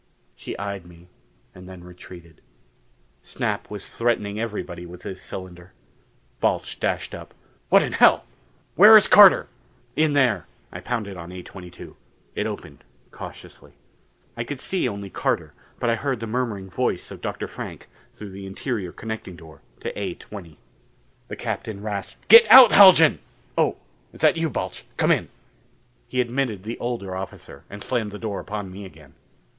She eyed me and then retreated. Snap was threatening everybody with his cylinder. Balch dashed up. "What in hell! Where is Carter?" "In there." I pounded on A22. It opened cautiously. I could see only Carter, but I heard the murmuring voice of Dr. Frank through the interior connecting door to A20. The Captain rasped, "Get out, Haljan! Oh, is that you, Balch? Come in." He admitted the older officer and slammed the door upon me again.